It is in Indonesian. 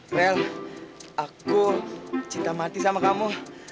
mel aku cinta mati sama kamu